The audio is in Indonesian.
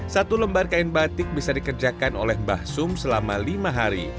satu lembar kain batik bisa dikerjakan oleh mbah sum selama lima hari